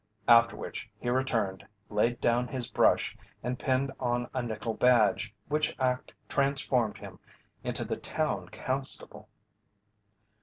After which he returned, laid down his brush, and pinned on a nickel badge, which act transformed him into the town constable.